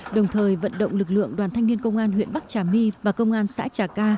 đồng thời vận động lực lượng đoàn thanh niên công an huyện bắc trà my và công an xã trà ca